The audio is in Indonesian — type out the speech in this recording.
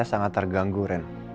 saya sangat terganggu ren